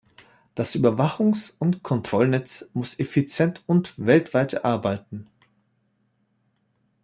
Das Überwachungs- und Kontrollnetz muss effizient und weltweit arbeiten.